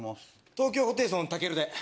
東京ホテイソン・たけるで。